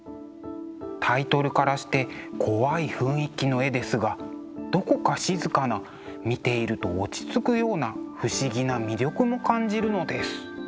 タイトルからして怖い雰囲気の絵ですがどこか静かな見ていると落ち着くような不思議な魅力も感じるのです。